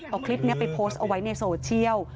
เอาคลิปเป็นโปสต์น้อยไว้ในโซเซียล